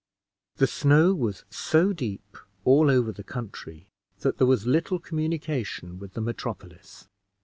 The snow was so deep all over the country that there was little communication with the metropolis.